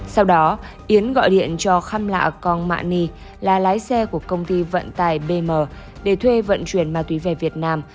sau đó yến gọi điện cho khăm lạ còn mạ ni là lái xe của công ty vận tài bm để thuê vận chuyển ma túy về việt nam